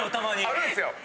あるんすよ。